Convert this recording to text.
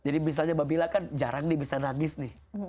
jadi misalnya mba bila kan jarang bisa nangis nih